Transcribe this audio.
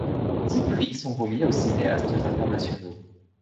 Dix prix sont remis aux cinéastes internationaux.